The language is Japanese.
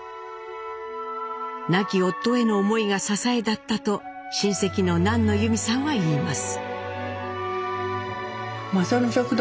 亡き夫への思いが支えだったと親戚の南野由美さんは言います。